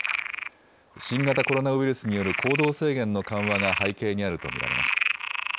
新型コロナウイルスによる行動制限の緩和が背景にあると見られます。